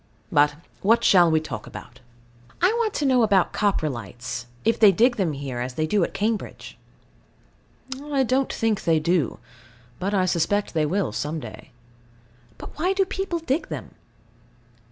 But what shall we talk about? I want to know about Coprolites, if they dig them here, as they do at Cambridge. I don't think they do. But I suspect they will some day. But why do people dig them?